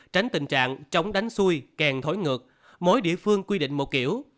tránh tình trạng chống đánh xui kèn thối ngược mỗi địa phương quy định một kiểu